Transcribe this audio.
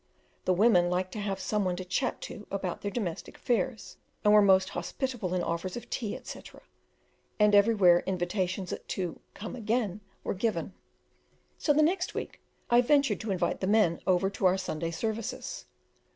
The women liked to have some one to chat to about their domestic affairs, and were most hospitable in offers of tea, etc., and everywhere invitations to "come again" were given; so the next week I ventured to invite the men over to our Sunday services.